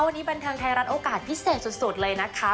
วันนี้บันเทิงไทยรัฐโอกาสพิเศษสุดเลยนะคะ